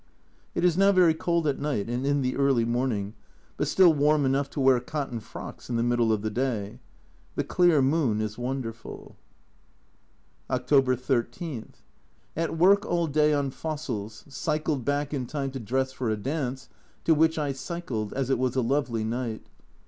It is now very cold at night and in the early morning, but still warm enough to wear cotton frocks in the middle of the day. The clear moon is wonderful. A Journal from Japan 225 October 13. At work all day on fossils, cycled back in time to dress for a dance, to which I cycled, as it was a lovely night.